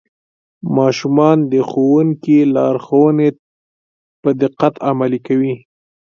ماشومان د ښوونکي لارښوونې په دقت عملي کوي